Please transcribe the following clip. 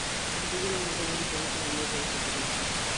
At the beginning of the game positions and movements should be natural.